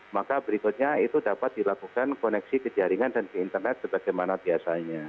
maka berikutnya itu dapat dilakukan koneksi ke jaringan dan ke internet sebagaimana biasanya